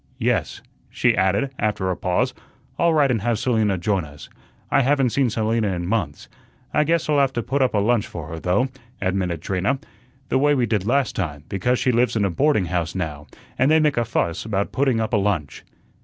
Yes," she added, after a pause, "I'll write and have Selina join us. I haven't seen Selina in months. I guess I'll have to put up a lunch for her, though," admitted Trina, "the way we did last time, because she lives in a boarding house now, and they make a fuss about putting up a lunch."